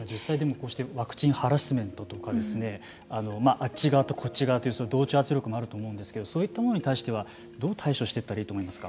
こうしてワクチンハラスメントとかあっち側とこっち側という同調圧力もあると思うんですけどそういったものに対してはどう対処していったらいいと思います。